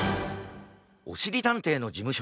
おしりたんていのじむ